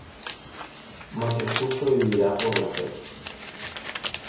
Mas el justo vivirá por la fe.